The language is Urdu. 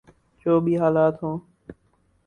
جو بھی حالات ہوں۔